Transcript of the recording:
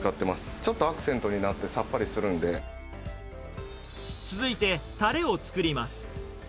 ちょっとアクセントになってさっ続いて、たれを作ります。